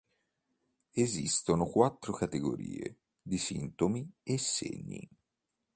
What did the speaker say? Esistono quattro categorie di sintomi e segni.